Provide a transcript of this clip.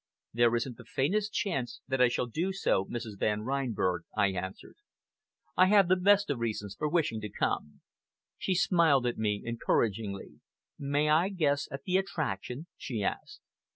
"There isn't the faintest chance that I shall do so, Mrs. Van Reinberg," I answered. "I have the best of reasons for wishing to come." She smiled at me encouragingly. "May I guess at the attraction?" she asked.